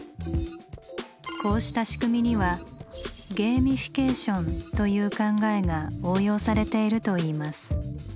こうした仕組みには「ゲーミフィケーション」という考えが応用されているといいます。